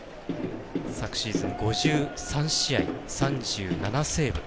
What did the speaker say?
昨シーズン５３試合３７セーブ